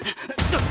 あっ！